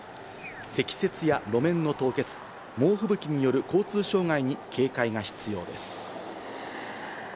積雪や路面の凍結、猛吹雪による交通障害に警戒が必要です。